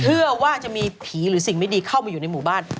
เพื่อว่าจะมีผีหรือสิ่งไม่ดีเข้ามาอยู่ในหมู่บ้าน